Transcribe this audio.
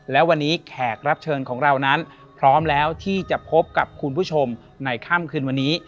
และวันนี้แขกรับเชิญของเรานั้นพร้อมแล้วที่จะพบกับคุณผู้ชมในค่ำคืนวันนี้